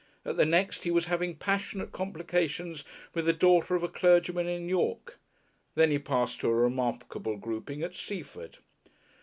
At the next he was having passionate complications with the daughter of a clergyman in York. Then he passed to a remarkable grouping at Seaford.